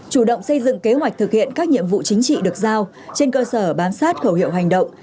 chủ động xây dựng kế hoạch thực hiện các nhiệm vụ chính trị được giao trên cơ sở bám sát khẩu hiệu hành động